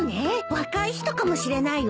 若い人かもしれないわ。